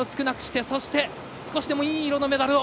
少しでもいい色のメダルを。